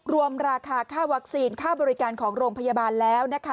รวมราคาค่าวัคซีนค่าบริการของโรงพยาบาลแล้วนะคะ